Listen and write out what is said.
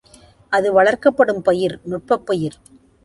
அது வளர்க்கப்படும் பயிர், நுட்பப் பயிர்.